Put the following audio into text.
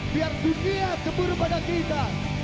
biar dunia keburu pada kita